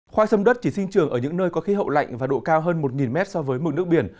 khoai sâm đất chỉ sinh trường ở những nơi có khí hậu lạnh và độ cao hơn một mét so với mực nước biển